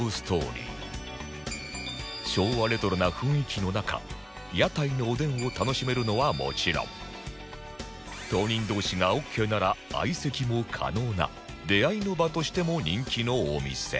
昭和レトロな雰囲気の中屋台のおでんを楽しめるのはもちろん当人同士がオーケーなら相席も可能な出会いの場としても人気のお店